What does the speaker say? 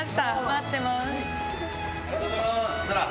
待ってます。